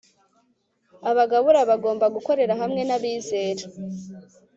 abagabura bagomba gukorera hamwe n'abizera